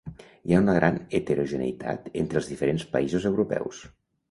Hi ha una gran heterogeneïtat entre els diferents països europeus.